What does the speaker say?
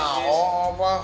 gak ada apa